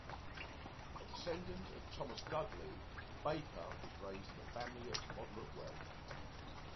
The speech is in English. A descendant of Thomas Dudley, Baker was raised in a family of moderate wealth.